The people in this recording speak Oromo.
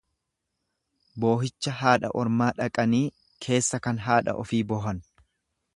Boohicha haadha ormaa dhaqanii keessa kan haadha ofii boohan.